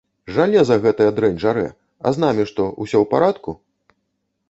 Жалеза гэтая дрэнь жарэ, а з намі што, усё ў парадку?